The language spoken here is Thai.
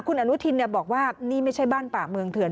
คุณอนุทินบอกว่านี่ไม่ใช่บ้านป่าเมืองเถื่อน